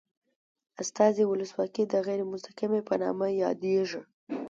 استازي ولسواکي د غیر مستقیمې په نامه یادیږي.